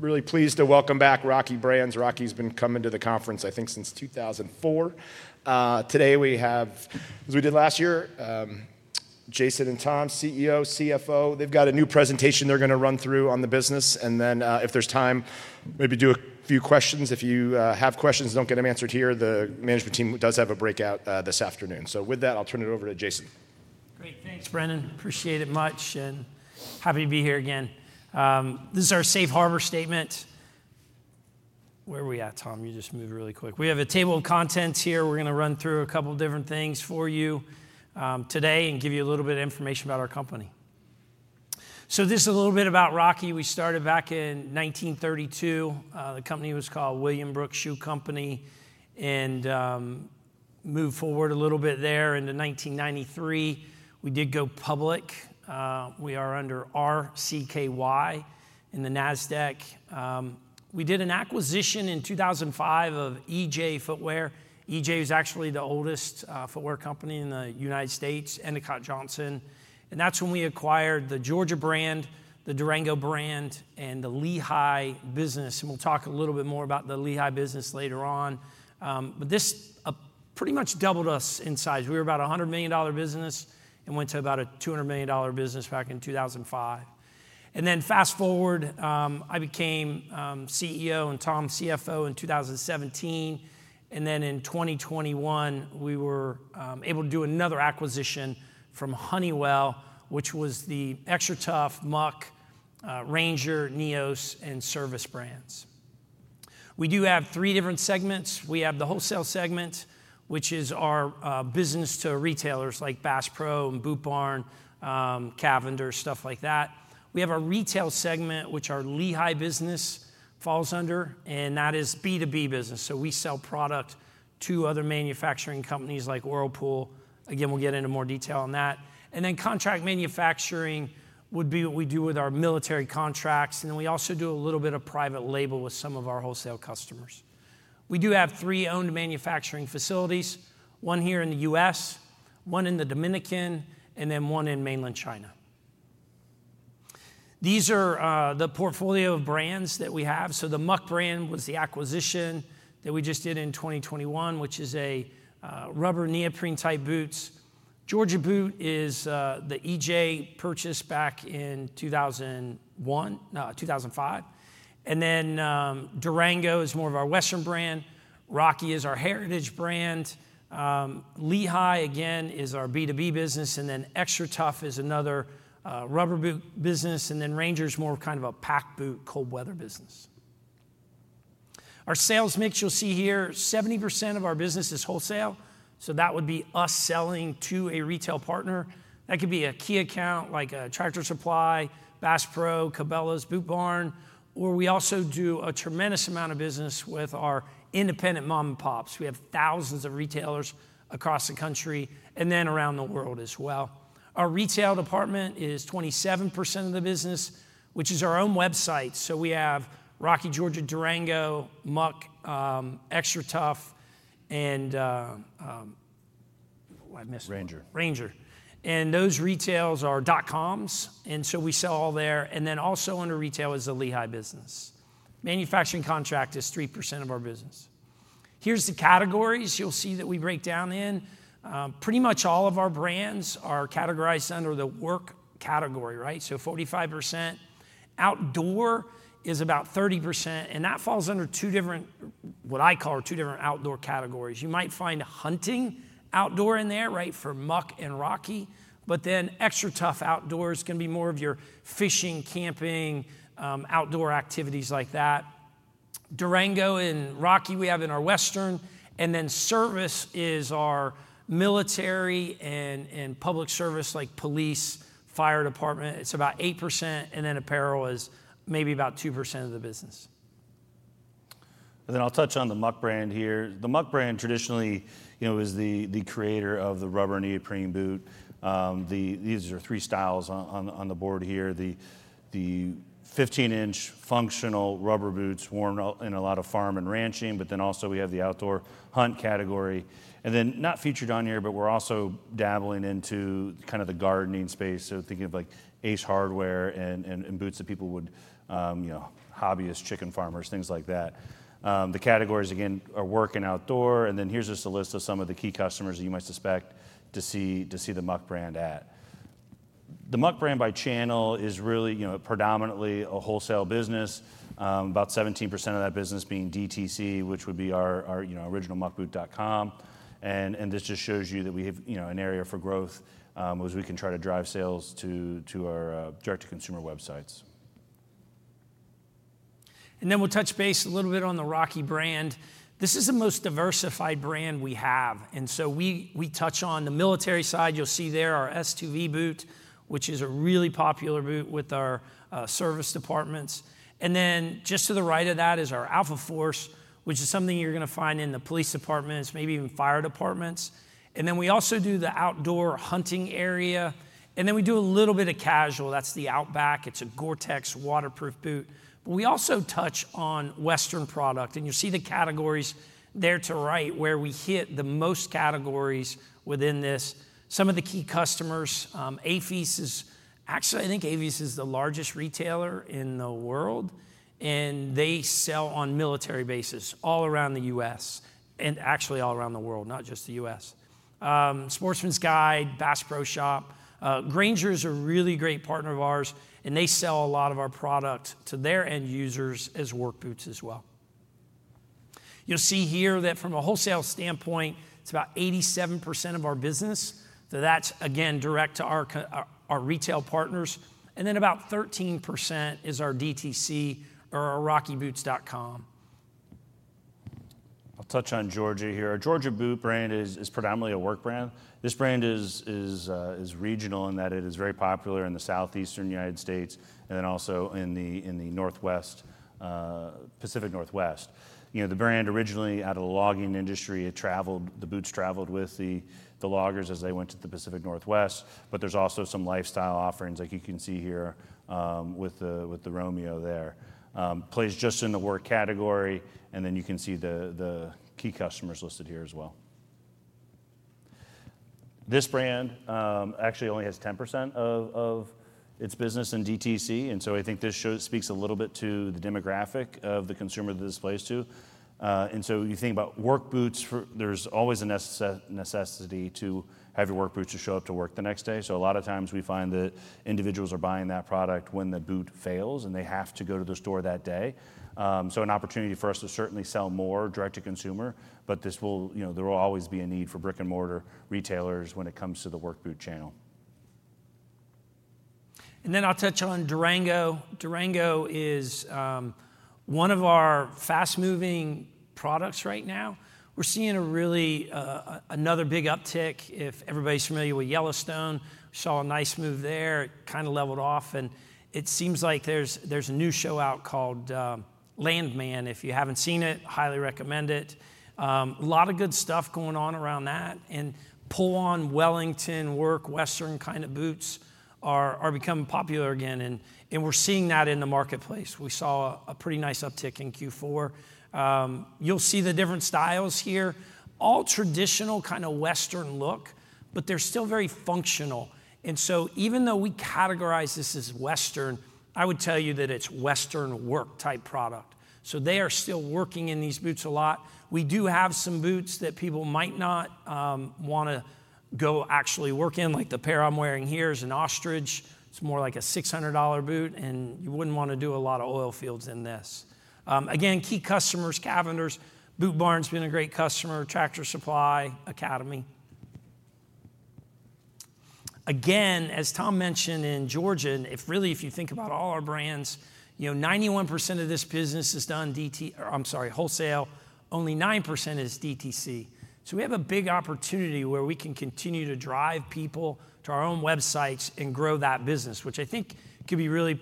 Really pleased to welcome back Rocky Brands. Rocky's been coming to the conference, I think, since 2004. Today we have, as we did last year, Jason and Tom, CEO, CFO. They've got a new presentation they're going to run through on the business, and then if there's time, maybe do a few questions. If you have questions, don't get them answered here. The management team does have a breakout this afternoon, so with that, I'll turn it over to Jason. Great. Thanks, Brendon. Appreciate it much, and happy to be here again. This is our Safe Harbor Statement. Where are we at, Tom? You just moved really quick. We have a table of contents here. We're going to run through a couple of different things for you today and give you a little bit of information about our company. So this is a little bit about Rocky. We started back in 1932. The company was called William Brooks Shoe Company and moved forward a little bit there. In 1993, we did go public. We are under RCKY in the Nasdaq. We did an acquisition in 2005 of EJ Footwear. EJ is actually the oldest footwear company in the United States, Endicott Johnson. And that's when we acquired the Georgia Boot, the Durango, and the Lehigh business. We'll talk a little bit more about the Lehigh business later on. But this pretty much doubled us in size. We were about a $100 million business and went to about a $200 million business back in 2005. And then fast forward, I became CEO and Tom CFO in 2017. And then in 2021, we were able to do another acquisition from Honeywell, which was the XTRATUF, Muck, Ranger, NEOS, and Servus. We do have three different segments. We have the wholesale segment, which is our business to retailers like Bass Pro and Boot Barn, Cavender's, stuff like that. We have our retail segment, which our Lehigh business falls under, and that is B2B business. So we sell product to other manufacturing companies like Whirlpool. Again, we'll get into more detail on that. And then contract manufacturing would be what we do with our military contracts. We also do a little bit of private label with some of our wholesale customers. We do have three owned manufacturing facilities, one here in the U.S., one in the Dominican, and then one in mainland China. These are the portfolio of brands that we have. The Muck brand was the acquisition that we just did in 2021, which is a rubber neoprene type boots. Georgia Boot is the EJ purchase back in 2001, 2005. Durango is more of our Western brand. Rocky is our heritage brand. Lehigh, again, is our B2B business. XTRATUF is another rubber boot business. Ranger is more of kind of a pac boot cold weather business. Our sales mix, you'll see here, 70% of our business is wholesale. That would be us selling to a retail partner. That could be a key account like Tractor Supply, Bass Pro, Cabela's, Boot Barn. Or we also do a tremendous amount of business with our independent mom and pops. We have thousands of retailers across the country and then around the world as well. Our retail department is 27% of the business, which is our own website. So we have Rocky, Georgia, Durango, Muck, XTRATUF, and Ranger. Ranger. Ranger. Those retailers are dot-coms. We sell all there. Then also under retail is the Lehigh business. Manufacturing contract is 3% of our business. Here are the categories you'll see that we break down in. Pretty much all of our brands are categorized under the work category, right? So 45%. Outdoor is about 30%. That falls under two different, what I call, two different outdoor categories. You might find hunting outdoor in there, right, for Muck and Rocky. But then XTRATUF outdoor is going to be more of your fishing, camping, outdoor activities like that. Durango and Rocky we have in our Western. Then service is our military and public service like police, fire department. It's about 8%. Then apparel is maybe about 2% of the business. Then I'll touch on the Muck brand here. The Muck brand traditionally was the creator of the rubber neoprene boot. These are three styles on the board here. The 15-inch functional rubber boots worn in a lot of farm and ranching, but then also we have the outdoor hunt category. Then not featured on here, but we're also dabbling into kind of the gardening space. Thinking of like Ace Hardware and boots that people would hobby as chicken farmers, things like that. The categories, again, are work and outdoor. Then here's just a list of some of the key customers that you might suspect to see the Muck brand at. The Muck brand by channel is really predominantly a wholesale business, about 17% of that business being DTC, which would be our original muckboot.com. This just shows you that we have an area for growth as we can try to drive sales to our direct-to-consumer websites. We'll touch base a little bit on the Rocky brand. This is the most diversified brand we have. We touch on the military side. You'll see there our S2V boot, which is a really popular boot with our service departments. Just to the right of that is our AlphaForce, which is something you're going to find in the police departments, maybe even fire departments. We also do the outdoor hunting area. We do a little bit of casual. That's the Outback. It's a Gore-Tex waterproof boot. We also touch on Western product. You'll see the categories there to the right where we hit the most categories within this. Some of the key customers, AAFES is actually, I think AAFES is the largest retailer in the world. They sell on military bases all around the U.S. and actually all around the world, not just the U.S. Sportsman's Guide, Bass Pro Shops. Grainger is a really great partner of ours. And they sell a lot of our product to their end users as work boots as well. You'll see here that from a wholesale standpoint, it's about 87% of our business. That's, again, direct to our retail partners. And then about 13% is our DTC or our rockyboots.com. I'll touch on Georgia here. Our Georgia Boot brand is predominantly a work brand. This brand is regional in that it is very popular in the southeastern United States and then also in the Pacific Northwest. The brand originally out of the logging industry. The boots traveled with the loggers as they went to the Pacific Northwest. But there's also some lifestyle offerings like you can see here with the Romeo there. Plays just in the work category, and then you can see the key customers listed here as well. This brand actually only has 10% of its business in DTC. And so I think this speaks a little bit to the demographic of the consumer that this plays to. And so you think about work boots, there's always a necessity to have your work boots to show up to work the next day. So a lot of times we find that individuals are buying that product when the boot fails and they have to go to the store that day. So an opportunity for us to certainly sell more direct-to-consumer. But there will always be a need for brick-and-mortar retailers when it comes to the work boot channel. And then I'll touch on Durango. Durango is one of our fast-moving products right now. We're seeing another big uptick. If everybody's familiar with Yellowstone, we saw a nice move there. It kind of leveled off. And it seems like there's a new show out called Landman. If you haven't seen it, highly recommend it. A lot of good stuff going on around that. And pull-on Wellington work, Western kind of boots are becoming popular again. And we're seeing that in the marketplace. We saw a pretty nice uptick in Q4. You'll see the different styles here. All traditional kind of Western look, but they're still very functional. And so even though we categorize this as Western, I would tell you that it's Western work type product. So they are still working in these boots a lot. We do have some boots that people might not want to go actually work in. Like the pair I'm wearing here is an ostrich. It's more like a $600 boot. And you wouldn't want to do a lot of oil fields in this. Again, key customers, Cavender's, Boot Barn's been a great customer, Tractor Supply, Academy. Again, as Tom mentioned in Georgia, really if you think about all our brands, 91% of this business is done DT or I'm sorry, wholesale, only 9% is DTC. So we have a big opportunity where we can continue to drive people to our own websites and grow that business, which I think could be really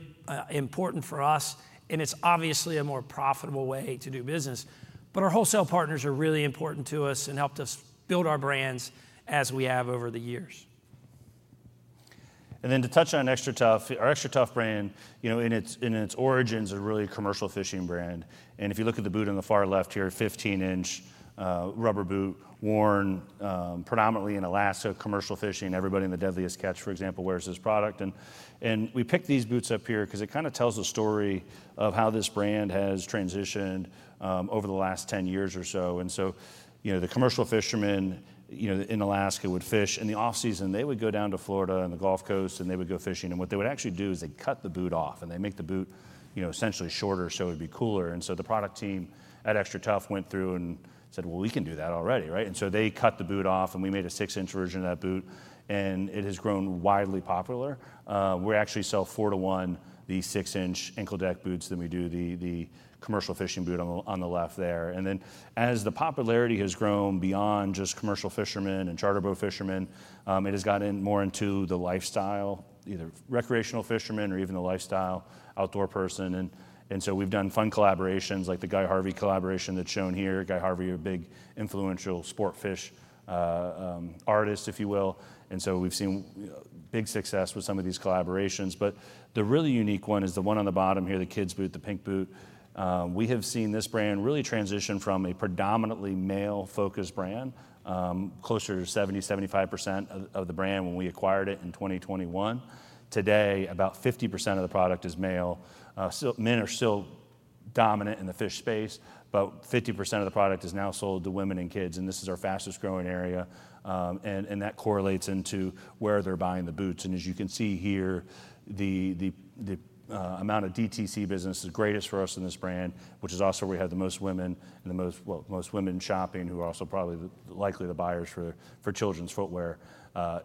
important for us. And it's obviously a more profitable way to do business. But our wholesale partners are really important to us and helped us build our brands as we have over the years. To touch on XTRATUF, our XTRATUF brand in its origins is really a commercial fishing brand. If you look at the boot on the far left here, 15-inch rubber boot worn predominantly in Alaska commercial fishing. Everybody in the Deadliest Catch, for example, wears this product. We picked these boots up here because it kind of tells the story of how this brand has transitioned over the last 10 years or so. The commercial fishermen in Alaska would fish. In the off-season, they would go down to Florida and the Gulf Coast, and they would go fishing. What they would actually do is they'd cut the boot off, and they'd make the boot essentially shorter so it would be cooler. The product team at XTRATUF went through and said, "Well, we can do that already, right?" They cut the boot off, and we made a 6-inch version of that boot. It has grown widely popular. We actually sell 4:1 the 6-inch ankle deck boots than we do the commercial fishing boot on the left there. As the popularity has grown beyond just commercial fishermen and charter boat fishermen, it has gotten more into the lifestyle, either recreational fishermen or even the lifestyle outdoor person. We've done fun collaborations like the Guy Harvey collaboration that's shown here. Guy Harvey is a big influential sport fish artist, if you will. We've seen big success with some of these collaborations. The really unique one is the one on the bottom here, the kids' boot, the pink boot. We have seen this brand really transition from a predominantly male-focused brand, closer to 70%-75% of the brand when we acquired it in 2021. Today, about 50% of the product is male. Men are still dominant in the fishing space, but 50% of the product is now sold to women and kids, and this is our fastest growing area, and that correlates into where they're buying the boots, and as you can see here, the amount of DTC business is greatest for us in this brand, which is also where we have the most women shopping who are also probably the buyers for children's footwear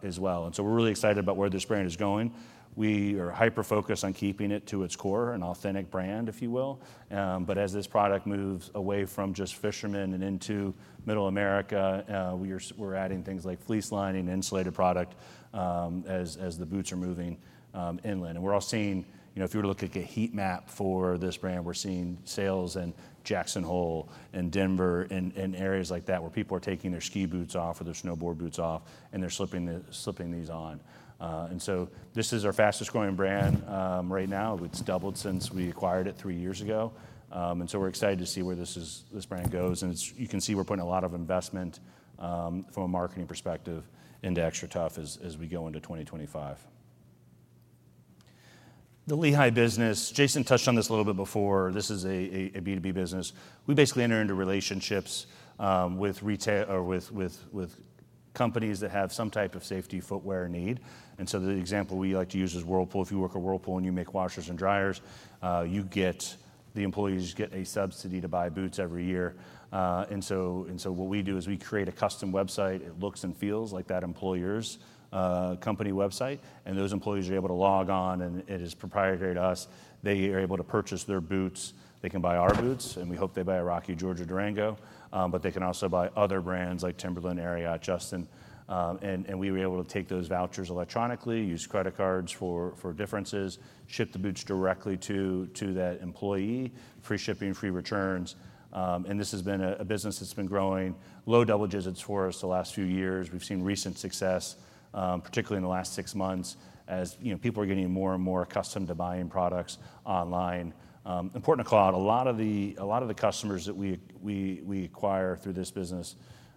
as well, and so we're really excited about where this brand is going. We are hyper-focused on keeping it to its core, an authentic brand, if you will. But as this product moves away from just fishermen and into middle America, we're adding things like fleece lining, insulated product as the boots are moving inland. And we're all seeing, if you were to look at a heat map for this brand, we're seeing sales in Jackson Hole and Denver and areas like that where people are taking their ski boots off or their snowboard boots off, and they're slipping these on. And so this is our fastest growing brand right now. It's doubled since we acquired it three years ago. And so we're excited to see where this brand goes. And you can see we're putting a lot of investment from a marketing perspective into XTRATUF as we go into 2025. The Lehigh business, Jason touched on this a little bit before. This is a B2B business. We basically enter into relationships with companies that have some type of safety footwear need. And so the example we like to use is Whirlpool. If you work at Whirlpool and you make washers and dryers, the employees get a subsidy to buy boots every year. And so what we do is we create a custom website. It looks and feels like that employer's company website. And those employees are able to log on, and it is proprietary to us. They are able to purchase their boots. They can buy our boots. And we hope they buy a Rocky Georgia Durango. But they can also buy other brands like Timberland, Ariat, Justin. And we were able to take those vouchers electronically, use credit cards for differences, ship the boots directly to that employee, free shipping, free returns. And this has been a business that's been growing. Low double digits for us the last few years. We've seen recent success, particularly in the last six months as people are getting more and more accustomed to buying products online. Important to call out, a lot of the customers that we acquire through this business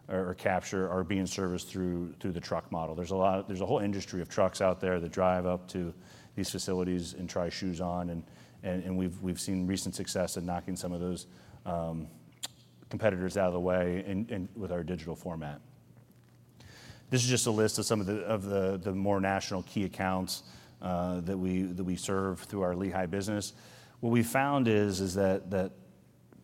or capture are being serviced through the truck model. There's a whole industry of trucks out there that drive up to these facilities and try shoes on, and we've seen recent success in knocking some of those competitors out of the way with our digital format. This is just a list of some of the more national key accounts that we serve through our Lehigh business. What we found is that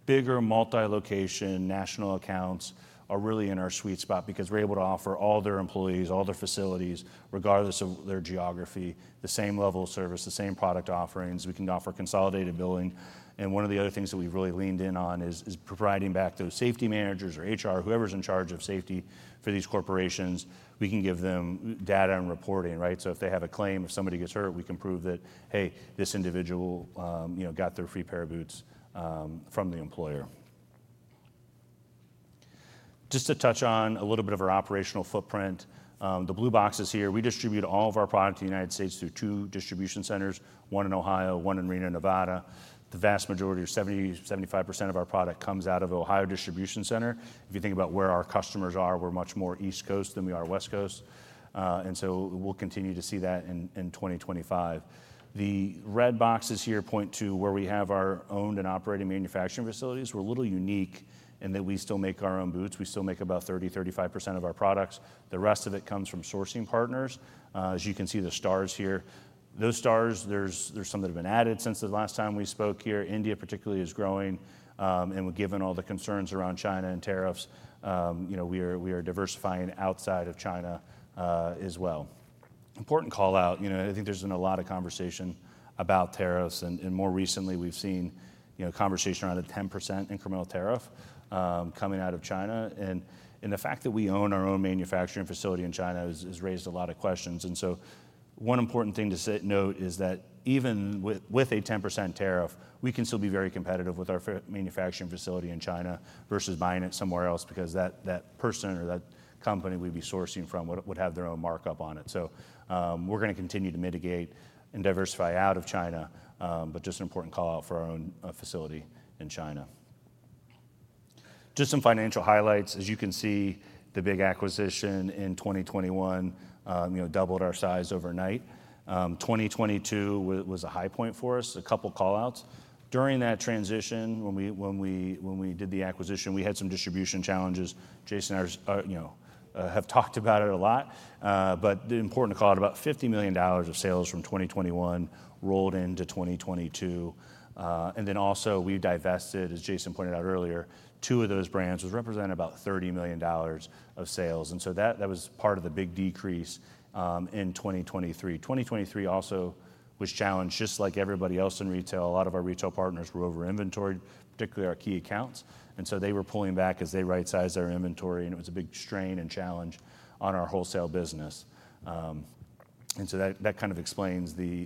bigger multi-location national accounts are really in our sweet spot because we're able to offer all their employees, all their facilities, regardless of their geography, the same level of service, the same product offerings. We can offer consolidated billing. And one of the other things that we've really leaned in on is providing back those safety managers or HR, whoever's in charge of safety for these corporations. We can give them data and reporting, right? So if they have a claim, if somebody gets hurt, we can prove that, hey, this individual got their free pair of boots from the employer. Just to touch on a little bit of our operational footprint, the blue boxes here, we distribute all of our product in the United States through two distribution centers, one in Ohio, one in Reno, Nevada. The vast majority of 70-75% of our product comes out of the Ohio distribution center. If you think about where our customers are, we're much more East Coast than we are West Coast. And so we'll continue to see that in 2025. The red boxes here point to where we have our owned and operating manufacturing facilities. We're a little unique in that we still make our own boots. We still make about 30-35% of our products. The rest of it comes from sourcing partners. As you can see the stars here, those stars, there's some that have been added since the last time we spoke here. India, particularly, is growing. And given all the concerns around China and tariffs, we are diversifying outside of China as well. Important callout, I think there's been a lot of conversation about tariffs. And more recently, we've seen conversation around a 10% incremental tariff coming out of China. And the fact that we own our own manufacturing facility in China has raised a lot of questions. And so one important thing to note is that even with a 10% tariff, we can still be very competitive with our manufacturing facility in China versus buying it somewhere else because that person or that company we'd be sourcing from would have their own markup on it. So we're going to continue to mitigate and diversify out of China, but just an important callout for our own facility in China. Just some financial highlights. As you can see, the big acquisition in 2021 doubled our size overnight. 2022 was a high point for us, a couple of callouts. During that transition, when we did the acquisition, we had some distribution challenges. Jason and I have talked about it a lot. But the important callout, about $50 million of sales from 2021 rolled into 2022. And then also we divested, as Jason pointed out earlier, two of those brands was representing about $30 million of sales. And so that was part of the big decrease in 2023. 2023 also was challenged just like everybody else in retail. A lot of our retail partners were over-inventoried, particularly our key accounts. And so they were pulling back as they right-sized their inventory. And it was a big strain and challenge on our wholesale business. And so that kind of explains the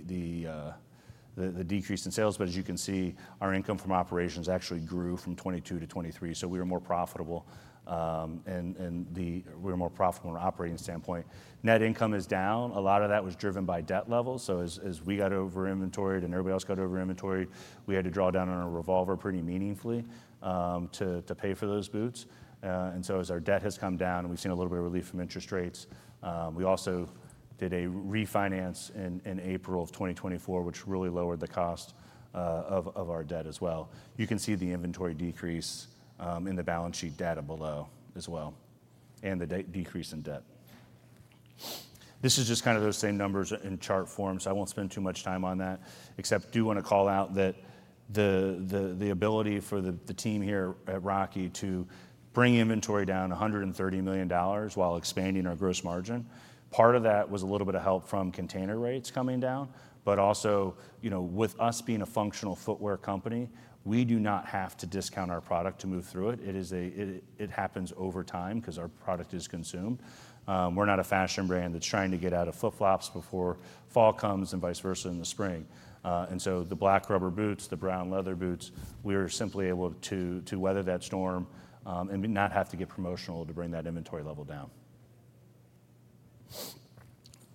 decrease in sales. But as you can see, our income from operations actually grew from 2022 to 2023. So we were more profitable. And we were more profitable from an operating standpoint. Net income is down. A lot of that was driven by debt levels. So as we got over-inventoried and everybody else got over-inventoried, we had to draw down on our revolver pretty meaningfully to pay for those boots. And so as our debt has come down, we've seen a little bit of relief from interest rates. We also did a refinance in April of 2024, which really lowered the cost of our debt as well. You can see the inventory decrease in the balance sheet data below as well and the decrease in debt. This is just kind of those same numbers in chart form. So I won't spend too much time on that, except I do want to call out that the ability for the team here at Rocky to bring inventory down $130 million while expanding our gross margin. Part of that was a little bit of help from container rates coming down. But also with us being a functional footwear company, we do not have to discount our product to move through it. It happens over time because our product is consumed. We're not a fashion brand that's trying to get out of flip-flops before fall comes and vice versa in the spring. And so the black rubber boots, the brown leather boots, we are simply able to weather that storm and not have to get promotional to bring that inventory level down.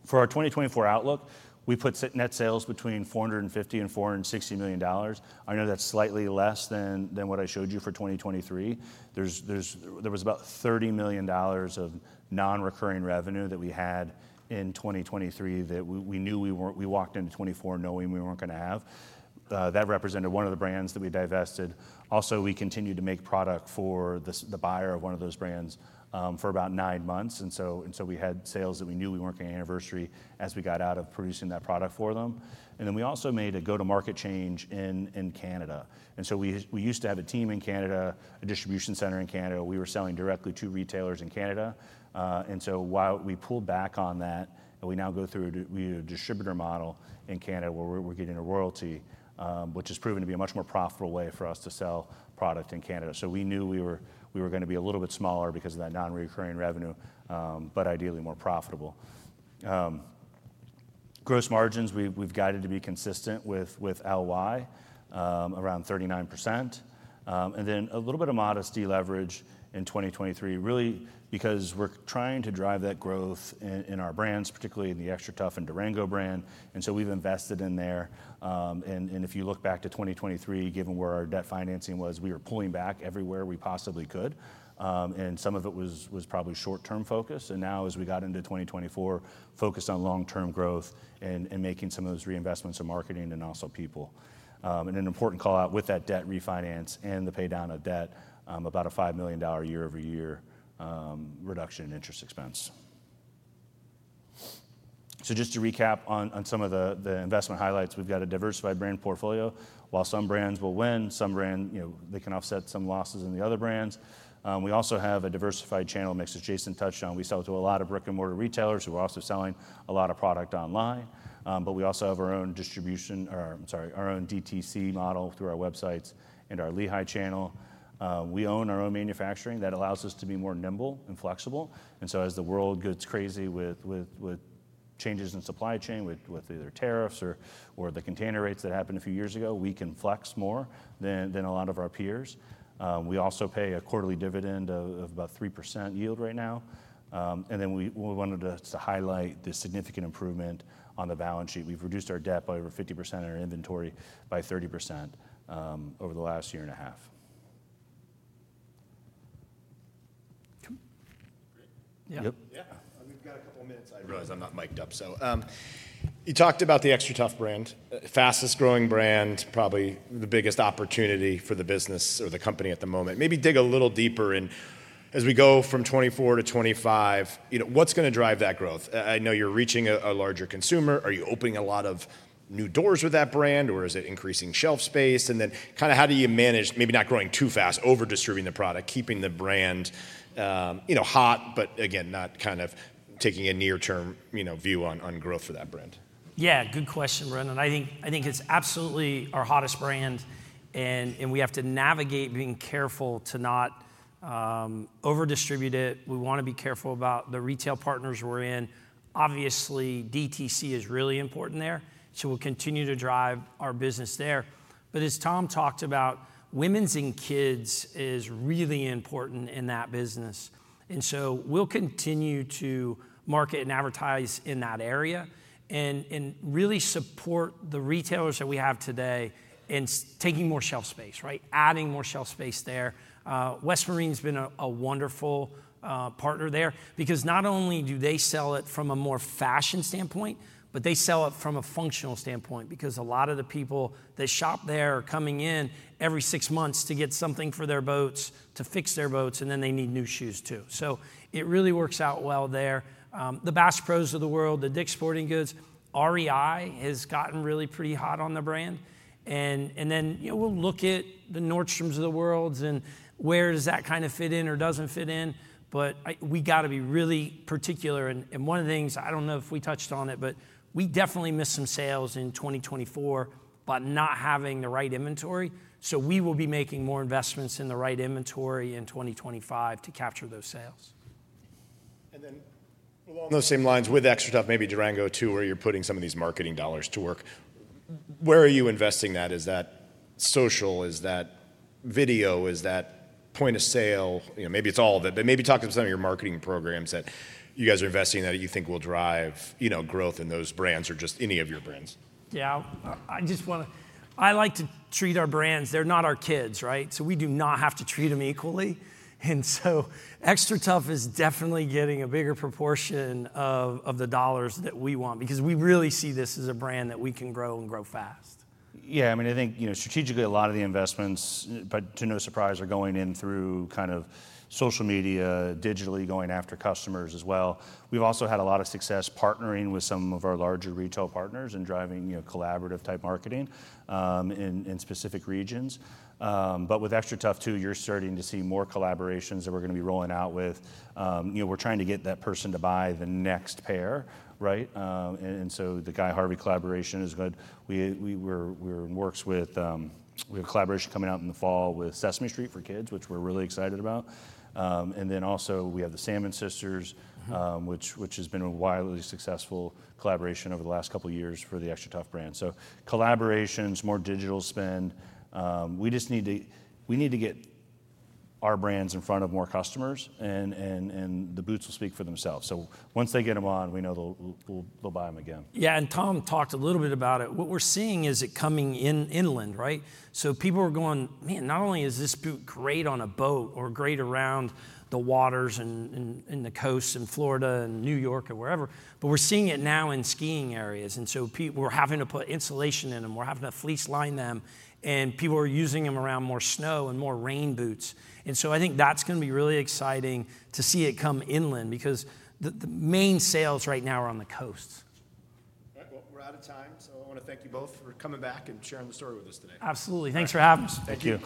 For our 2024 outlook, we put net sales between $450 and $460 million. I know that's slightly less than what I showed you for 2023. There was about $30 million of non-recurring revenue that we had in 2023 that we knew we walked into 2024 knowing we weren't going to have. That represented one of the brands that we divested. Also, we continued to make product for the buyer of one of those brands for about nine months. And so we had sales that we knew we weren't going to anniversary as we got out of producing that product for them. And then we also made a go-to-market change in Canada. And so we used to have a team in Canada, a distribution center in Canada. We were selling directly to retailers in Canada. And so while we pulled back on that, we now go through a distributor model in Canada where we're getting a royalty, which has proven to be a much more profitable way for us to sell product in Canada. So we knew we were going to be a little bit smaller because of that non-recurring revenue, but ideally more profitable. Gross margins, we've guided to be consistent with LY around 39%. Then a little bit of modest leverage in 2023, really because we're trying to drive that growth in our brands, particularly in the XTRATUF and Durango brand. So we've invested in there. If you look back to 2023, given where our debt financing was, we were pulling back everywhere we possibly could. Some of it was probably short-term focus. Now, as we got into 2024, focus on long-term growth and making some of those reinvestments in marketing and also people. An important callout with that debt refinance and the pay down of debt, about a $5 million year-over-year reduction in interest expense. Just to recap on some of the investment highlights, we've got a diversified brand portfolio. While some brands will win, some brands, they can offset some losses in the other brands. We also have a diversified channel mix as Jason touched on. We sell to a lot of brick-and-mortar retailers who are also selling a lot of product online, but we also have our own distribution, or I'm sorry, our own DTC model through our websites and our Lehigh channel. We own our own manufacturing that allows us to be more nimble and flexible, and so as the world gets crazy with changes in supply chain, with either tariffs or the container rates that happened a few years ago, we can flex more than a lot of our peers. We also pay a quarterly dividend of about 3% yield right now, and then we wanted to highlight the significant improvement on the balance sheet. We've reduced our debt by over 50% and our inventory by 30% over the last year and a half. Yeah. Yeah. We've got a couple of minutes. I realize I'm not miked up. So you talked about the XTRATUF brand, fastest growing brand, probably the biggest opportunity for the business or the company at the moment. Maybe dig a little deeper in as we go from 2024 to 2025, what's going to drive that growth? I know you're reaching a larger consumer. Are you opening a lot of new doors with that brand, or is it increasing shelf space? And then kind of how do you manage, maybe not growing too fast, over-distributing the product, keeping the brand hot, but again, not kind of taking a near-term view on growth for that brand? Yeah, good question, Brendon. I think it's absolutely our hottest brand. We have to navigate being careful to not over-distribute it. We want to be careful about the retail partners we're in. Obviously, DTC is really important there. So we'll continue to drive our business there. But as Tom talked about, women's and kids is really important in that business. And so we'll continue to market and advertise in that area and really support the retailers that we have today in taking more shelf space, right? Adding more shelf space there. West Marine has been a wonderful partner there because not only do they sell it from a more fashion standpoint, but they sell it from a functional standpoint because a lot of the people that shop there are coming in every six months to get something for their boats, to fix their boats, and then they need new shoes too. So it really works out well there. The Bass Pros of the world, the Dick's Sporting Goods, REI has gotten really pretty hot on the brand. And then we'll look at the Nordstroms of the world and where does that kind of fit in or doesn't fit in. But we got to be really particular. And one of the things, I don't know if we touched on it, but we definitely missed some sales in 2024 by not having the right inventory. So we will be making more investments in the right inventory in 2025 to capture those sales. And then along those same lines with XTRATUF, maybe Durango too, where you're putting some of these marketing dollars to work. Where are you investing that? Is that social? Is that video? Is that point of sale? Maybe it's all of it. But maybe talk to some of your marketing programs that you guys are investing in that you think will drive growth in those brands or just any of your brands? Yeah, I just want to, I like to treat our brands, they're not our kids, right? So we do not have to treat them equally. And so XTRATUF is definitely getting a bigger proportion of the dollars that we want because we really see this as a brand that we can grow and grow fast. Yeah, I mean, I think strategically a lot of the investments, but to no surprise, are going in through kind of social media, digitally going after customers as well. We've also had a lot of success partnering with some of our larger retail partners and driving collaborative type marketing in specific regions. But with XTRATUF too, you're starting to see more collaborations that we're going to be rolling out with. We're trying to get that person to buy the next pair, right? And so the Guy Harvey collaboration is good. We have a collaboration coming out in the fall with Sesame Street for kids, which we're really excited about. And then also we have the Salmon Sisters, which has been a wildly successful collaboration over the last couple of years for the XTRATUF brand. So collaborations, more digital spend. We just need to get our brands in front of more customers, and the boots will speak for themselves. So once they get them on, we know they'll buy them again. Yeah, and Tom talked a little bit about it. What we're seeing is it coming inland, right? People are going, "Man, not only is this boot great on a boat or great around the waters and the coasts in Florida and New York or wherever, but we're seeing it now in skiing areas." And so we're having to put insulation in them. We're having to fleece line them. And people are using them around more snow and more rain boots. And so I think that's going to be really exciting to see it come inland because the main sales right now are on the coasts. All right, well, we're out of time. So I want to thank you both for coming back and sharing the story with us today. Absolutely. Thanks for having us. Thank you.